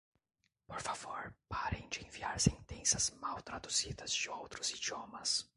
Por favor parem de enviar sentenças mal traduzidas de outros idiomas